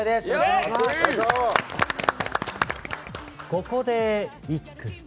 ここで一句。